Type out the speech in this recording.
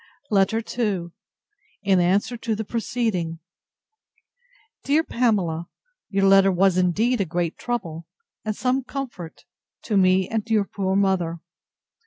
LETTER II [In answer to the preceding.] DEAR PAMELA, Your letter was indeed a great trouble, and some comfort, to me and your poor mother.